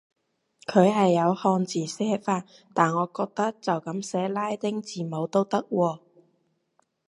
佢係有漢字寫法，但我覺得就噉寫拉丁字母都得喎